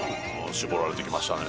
絞られてきましたね。